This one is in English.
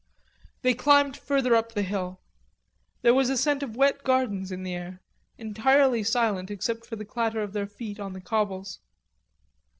They climbed further up the hill. There was a scent of wet gardens in the air, entirely silent except for the clatter of their feet on the cobbles.